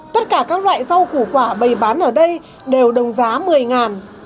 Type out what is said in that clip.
tất cả các loại rau củ quả bày bán ở đây đều đồng giá một mươi